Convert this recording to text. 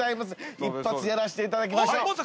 一発やらせていただきましょう。